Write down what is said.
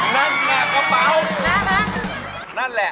นั่นแหละ